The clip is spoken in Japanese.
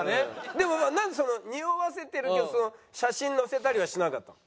でもなんでにおわせてるけど写真載せたりはしなかったの？